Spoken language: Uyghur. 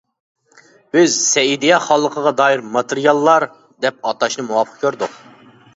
بىز «سەئىدىيە خانلىقىغا دائىر ماتېرىياللار» دەپ ئاتاشنى مۇۋاپىق كۆردۇق.